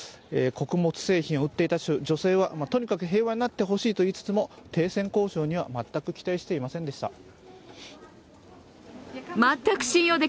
穀物製品を売っていた女性はとにかくい平和になってほしいといいつつも停戦交渉には全く期待していませんでした。